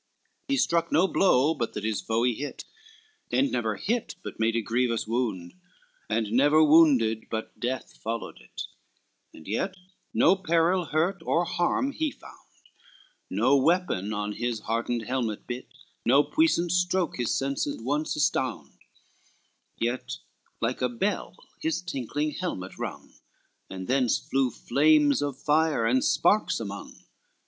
XXIII He struck no blow, but that his foe he hit; And never hit, but made a grievous wound: And never wounded, but death followed it; And yet no peril, hurt or harm he found, No weapon on his hardened helmet bit, No puissant stroke his senses once astound, Yet like a bell his tinkling helmet rung, And thence flew flames of fire and sparks among.